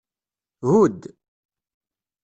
Hudd.